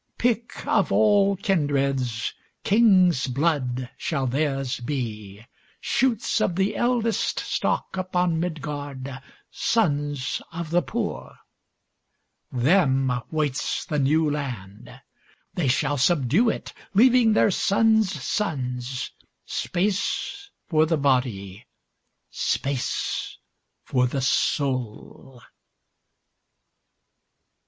Pick of all kindreds, King's blood shall theirs be, Shoots of the eldestStock upon Midgard, Sons of the poor. Them waits the New Land; They shall subdue it, Leaving their sons' sonsSpace for the body, Space for the soul.